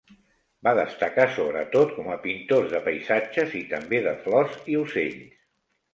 Va destacar sobretot com a pintors de paisatges i també de flors i ocells.